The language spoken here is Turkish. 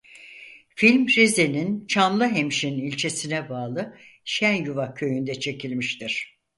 Film Rize'nin Çamlıhemşin ilçesine bağlı Şenyuva köyünde çekilmiştir.